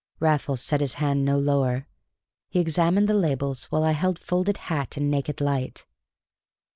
Raffles set his hand no lower. He examined the labels while I held folded hat and naked light.